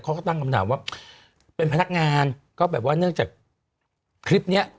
เขาก็ตั้งคำถามว่าเป็นพนักงานก็แบบว่าเนื่องจากคลิปเนี้ย